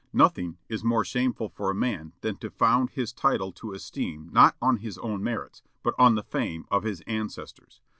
"Nothing is more shameful for a man than to found his title to esteem not on his own merits, but on the fame of his ancestors.